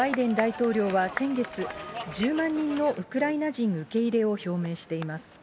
アメリカのバイデン大統領は先月、１０万人のウクライナ人受け入れを表明しています。